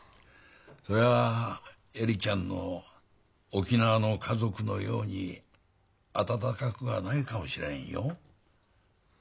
そりゃ恵里ちゃんの沖縄の家族のように温かくはないかもしれんよ。